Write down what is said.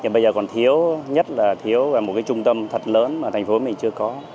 bây giờ còn thiếu nhất là thiếu một cái trung tâm thật lớn mà thành phố mình chưa có